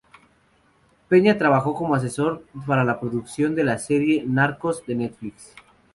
Peña trabajó como asesor para la producción de la serie "Narcos" de Netflix.